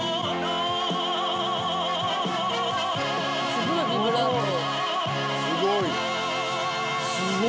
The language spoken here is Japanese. すごいビブラート。